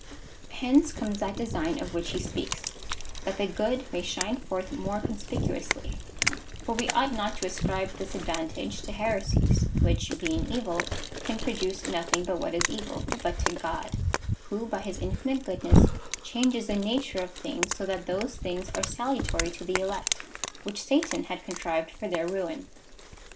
^ Hence comes that design of which he speaks — that the cjood may shine forth more conspicu ously ; for we ought not to ascribe this advantage to he7^e sies, which, being evil, can produce nothing but what is evil, but to God, who, bj his infinite goodness, changes the nature of things, so that those things are salutary to the elect, which Satan had contrived for their ruin.